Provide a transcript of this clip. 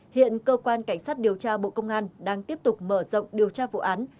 hiện cơ quan cảnh sát điều tra bộ công an đang tiếp tục mở rộng điều tra vụ án